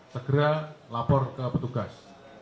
segera lapor ke petugas